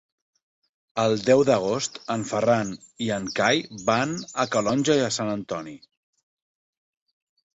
El deu d'agost en Ferran i en Cai van a Calonge i Sant Antoni.